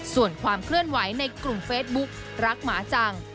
ส่วนความเคลื่อนไหวในกลุ่มเฟซบุ๊กรักหมาจัง